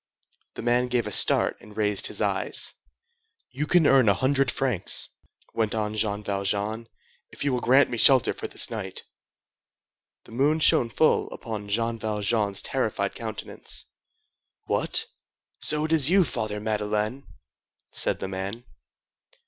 The man gave a start and raised his eyes. "You can earn a hundred francs," went on Jean Valjean, "if you will grant me shelter for this night." The moon shone full upon Jean Valjean's terrified countenance. "What! so it is you, Father Madeleine!" said the man.